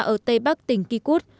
ở tây bắc tỉnh kikoud